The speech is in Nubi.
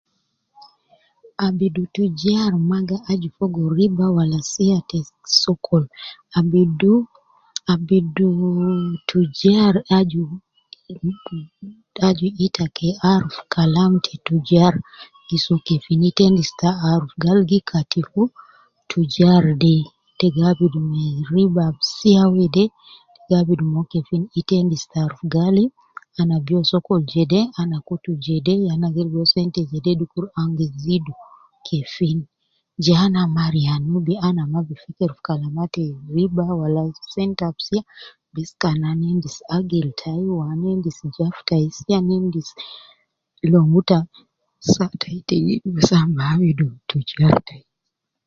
Abidu tijar ma gi aju fogo riba Wala sia te sokol, abidu, abidu tijar aju, aju ita ke aruf Kalam te tijar gi soo kefin ita endis te arufb gal gi katifu tijar de, te gi abidu me riba ab sia wede ,te gi abidu mo kefin, ita endis te aruf gali, ana biyo sokol jede, ana kutu jede, ya ana gi ligo sente jede dukur an gi zidu kefin, je ana mariya Nubi ana ma bi feker kalama te riba au sente ab sia, bes kan ana endis agil tai wu ana endis jaf tai sia, ana endis lomu tai, saa tai te bes ana bi abidu tijar tai